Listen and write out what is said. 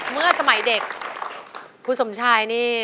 เมื่อสมัยเด็กคุณสมชายนี่